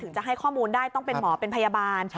จะให้ข้อมูลได้ต้องเป็นหมอเป็นพยาบาล